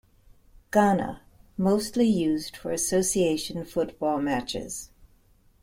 Ghana, mostly used for association football matches.